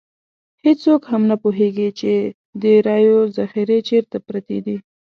هېڅوک هم نه پوهېږي چې د رایو ذخیرې چېرته پرتې دي.